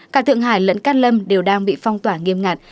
cả thượng hải lẫn cát lâm đều đang bị phong tỏa nghiêm ngặt